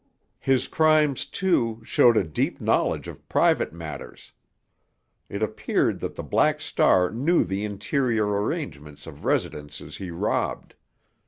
His crimes, too, showed a deep knowledge of private matters. It appeared that the Black Star knew the interior arrangements of residences he robbed.